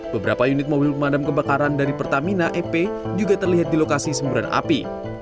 beberapa unit mobil pemadam kebakaran dari pertamina ep juga terlihat di lokasi semburan api